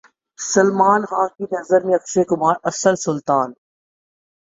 سلمان خان کی نظر میں اکشے کمار اصل سلطان